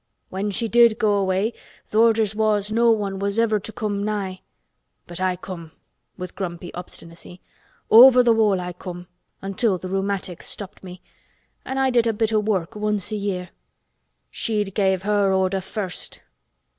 When she did go away th' orders was no one was ever to come nigh. But I come," with grumpy obstinacy. "Over th' wall I come—until th' rheumatics stopped me—an' I did a bit o' work once a year. She'd gave her order first."